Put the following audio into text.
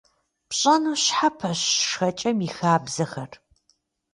Пщӏэну щхьэпэщ шхэкӏэм и хабзэхэр.